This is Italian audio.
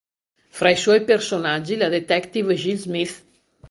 Fra i suoi personaggi la detective Jill Smith.